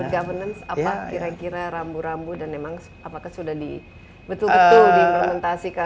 dan governance kira kira rambu rambu dan memang apakah sudah betul betul diimplementasikan